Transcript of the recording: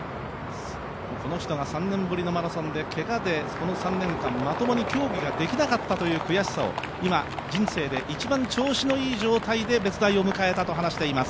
この人が３年ぶりのマラソンで、けがで３年間、まともに競技ができなかったという悔しさを今、人生で調子のいい状態で別大を迎えたと話しています。